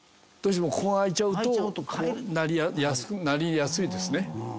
どうしてもここが空いちゃうとこうなりやすいですね。